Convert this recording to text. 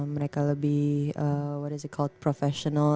mereka lebih apa namanya profesional